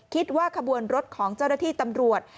คิดว่าขบวนรถของเจ้าหน้าที่ตำรวจ